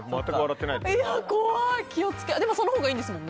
でもそのほうがいいんですもんね。